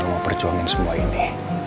mau perjuangin semua ini